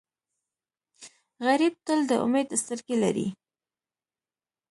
غریب تل د امید سترګې لري